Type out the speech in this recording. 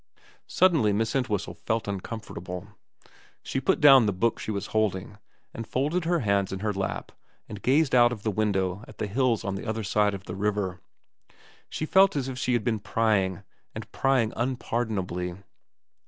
... Suddenly Miss Entwhistle felt uncomfortable. She put down the book she was holding, and folded her hands in her lap and gazed out of the window at the hills on the other side of the river. She felt as if she had been prying, and prying unpardonably.